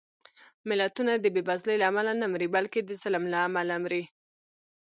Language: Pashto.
ملتونه د بېوزلۍ له امله نه مري، بلکې د ظلم له امله مري